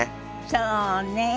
そうね。